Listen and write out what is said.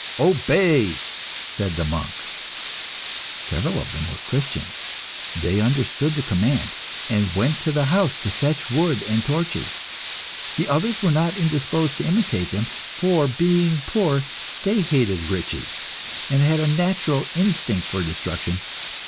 "Obey!" said the monk. Several of them were Christians. They understood the command, and went to the house to fetch wood and torches. The others were not indisposed to imitate them, for, being poor, they hated riches and had a natural instinct for destruction.